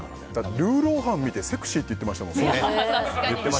ルーローハン見てセクシーって言ってましたからね。